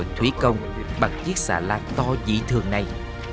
thúy công bằng chiếc xà lan to dị thường này